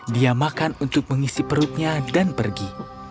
dia makan untuk mengisi perutnya dan pergi